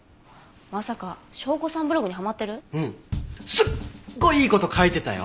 すっごいいい事書いてたよ。